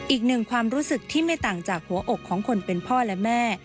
อีกหนึ่งความรู้สึกที่ไม่ต่างจากหัวอกของคนเป็นพ่อและแม่